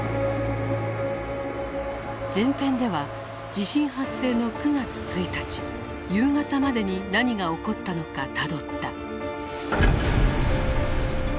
前編では地震発生の９月１日夕方までに何が起こったのかたどった。